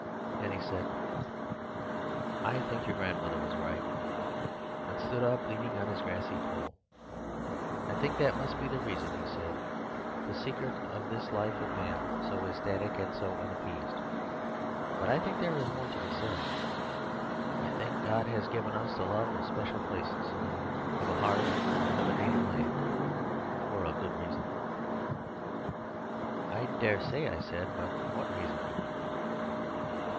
"Then he said, 'I think your grandmother was right,' and stood up leaning on his grassy pole. 'I think that must be the reason,' he said—'the secret of this life of man, so ecstatic and so unappeased. But I think there is more to be said. I think God has given us the love of special places, of a hearth and of a native land, for a good reason.' "'I dare say,' I said. 'What reason?